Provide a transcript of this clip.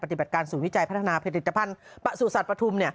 ติบัติการศูนย์วิจัยพัฒนาผลิตภัณฑ์ประสุทธิ์ปฐุม